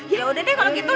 ya udah deh kalau gitu